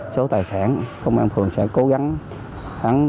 số tài sản công an phường sẽ cố gắng